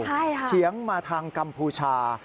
ใช่ค่ะเฉียงมาทางกัมพูชา